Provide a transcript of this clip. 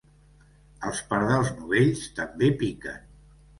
Els pardals novells també piquen.